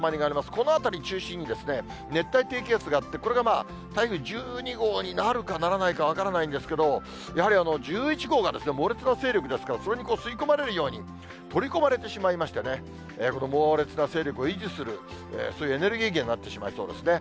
この辺り中心に熱帯低気圧があって、これがまあ、台風１２号になるかならないか分からないんですけれども、やはり１１号が猛烈な勢力ですから、それに吸い込まれるように、取り込まれてしまいましてね、この猛烈な勢力を維持する、そういうエネルギー源になってしまいそうですね。